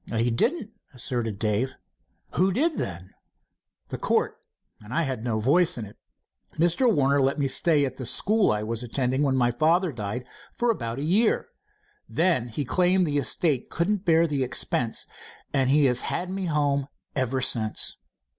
"He didn't," asserted Dave. "Who did, then?" "The court, and I had no voice in it. Mr. Warner let me stay at the school I was attending when my father died, for about a year. Then he claimed the estate couldn't bear the expense, and he has had me home ever since."